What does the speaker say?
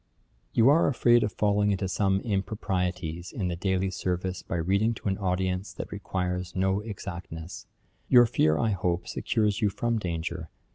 'You are afraid of falling into some improprieties in the daily service by reading to an audience that requires no exactness. Your fear, I hope, secures you from danger.